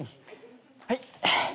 はい。